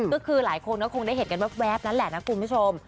ก็คือหลายคนก็คงได้เห็นกันแว๊บนั้นแหละนะคุณผู้ชม